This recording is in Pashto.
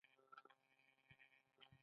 ایا زه به نور نه جنګیږم؟